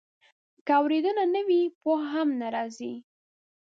که اورېدنه نه وي، پوهه هم نه راځي.